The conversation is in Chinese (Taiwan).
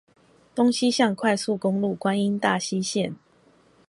東西向快速公路觀音大溪線